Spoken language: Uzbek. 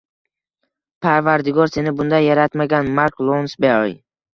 Parvardigor seni bunday yaratmagan, Mak Lonsberi